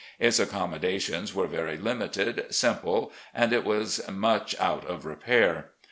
Its accom modations were very limited, simple, and it was much out of repair.